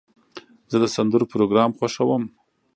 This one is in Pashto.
زه د سندرو پروګرام خوښوم.